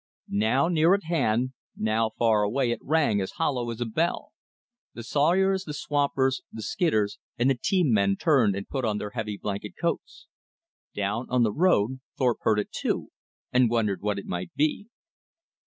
Now near at hand, now far away it rang as hollow as a bell. The sawyers, the swampers, the skidders, and the team men turned and put on their heavy blanket coats. Down on the road Thorpe heard it too, and wondered what it might be.